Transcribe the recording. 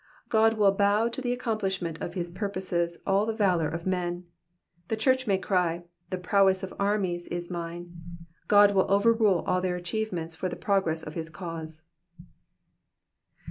€U>d will bow to the accomplishment of his purposes all the valour of men ; the church may cry, the prowess of armies is mine,*' Ck)d will overrule all their achievements for the progress of his cause.